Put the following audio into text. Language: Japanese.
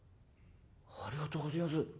「ありがとうごぜえやす。